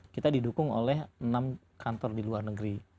kita didukung oleh enam kantor di luar negeri